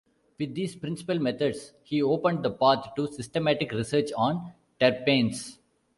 With these principal methods he opened the path to systematic research on terpenes.